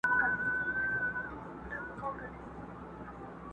دا له تا سره پیوند یم چي له ځانه بېګانه یم!.